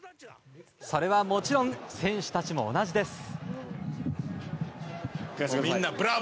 それはもちろん選手たちも同じです。